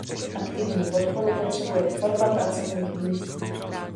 Aktivní podporu potřebuje tvorba pracovních míst.